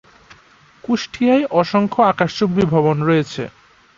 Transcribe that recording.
কুষ্টিয়ায় অসংখ্য আকাশচুম্বী ভবন রয়েছে।